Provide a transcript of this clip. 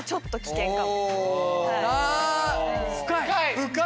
深い！